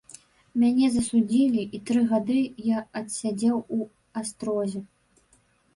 Мяне засудзілі, і тры гады я адсядзеў у астрозе.